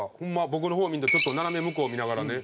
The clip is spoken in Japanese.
僕の方見んとちょっと斜め向こう見ながらね